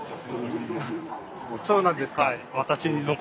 そうなんですか。